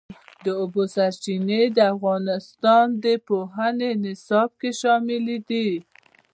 د اوبو سرچینې د افغانستان د پوهنې نصاب کې شامل دي.